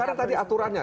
karena tadi aturannya